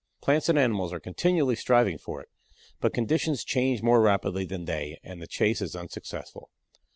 Plants and animals are continually striving for it, but conditions change more rapidly than they and the chase is unsuccessful.